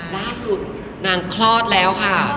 ล่าสุดนางคลอดแล้วค่ะ